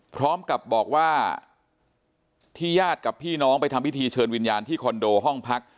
พร้อมกับบอกว่าที่ญาติกับพี่น้องไปทำพิธีเชิญวิญญาณที่คอนโดห้องพัก